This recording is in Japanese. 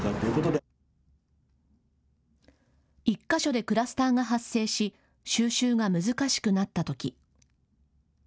１か所でクラスターが発生し収集が難しくなったとき。